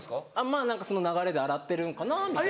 まぁ何かその流れで洗ってるのかなみたいな。